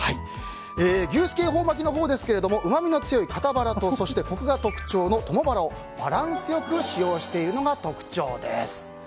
牛すき恵方巻ですがうまみの強い肩バラとそしてコクが特徴のトモバラをバランスよく使用しているのが特徴です。